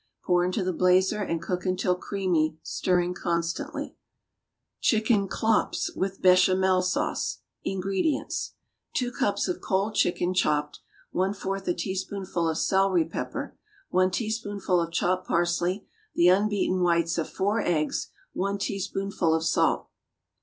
Pour into the blazer, and cook until creamy, stirring constantly. =Chicken Klopps with Bechamel Sauce.= INGREDIENTS. 2 cups of cold chicken, chopped. 1/4 a teaspoonful of celery pepper. 1 teaspoonful of chopped parsley. The unbeaten whites of 4 eggs. 1 teaspoonful of salt.